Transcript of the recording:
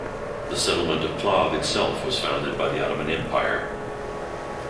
The settlement of Plav itself was founded by the Ottoman Empire.